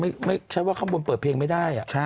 ไม่ใช่ว่าข้างบนเปิดเพลงไม่ได้